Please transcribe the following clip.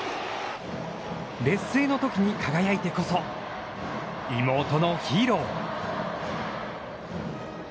劣勢のときに輝いてこそ妹のヒーロー。